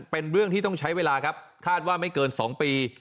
เป็นเรื่องที่ต้องใช้เวลาครับคาดว่าไม่เกิน๒ปี